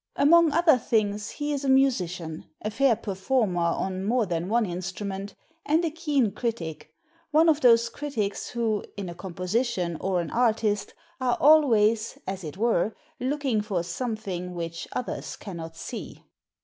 Among other things hp is a musician, a fair performer on more than one instrument, and a keen critic— one of those critics who, in a composition or an artist, are always, as it were, looking for something which others cannot see.